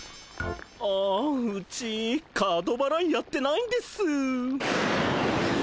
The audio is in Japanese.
あうちカードばらいやってないんです。